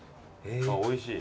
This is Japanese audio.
おいしい？